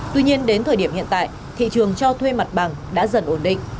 tuy nhiên đến thời điểm hiện tại thị trường cho thuê mặt bằng đã dần ổn định